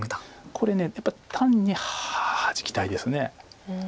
これやっぱ単にハジきたいです。